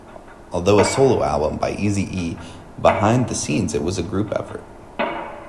Although a solo album by Eazy-E, behind the scenes it was a group effort.